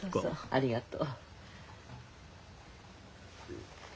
ありがとう。